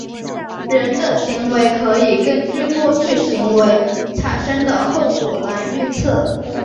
人的行为可以根据过去行为产生的后果来预测。